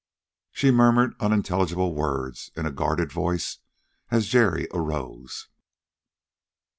She murmured unintelligible words in a guarded voice as Jerry arose.